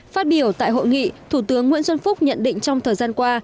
phát biểu tại hội nghị thủ tướng nguyễn xuân phúc nhận định trong thời gian qua